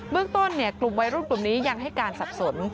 เรื่องต้นกลุ่มวัยรุ่นกลุ่มนี้ยังให้การสับสน